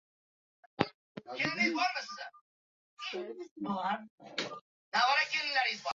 esankirab qoldim, dovdirab qoldim.